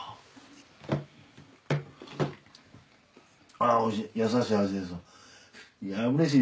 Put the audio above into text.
ああおいしい。